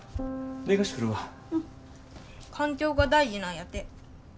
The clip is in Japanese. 環境が大事なんやて。